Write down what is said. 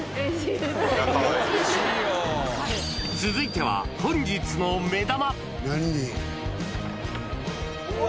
続いては、本日の目玉。